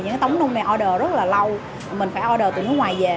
những tống nung này order rất là lâu mình phải order từ nước ngoài về